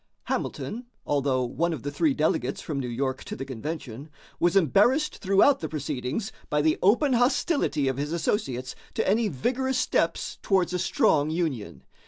Hamilton, although one of the three delegates from New York to the convention, was embarrassed throughout the proceedings by the open hostility of his associates to any vigorous steps towards a strong union.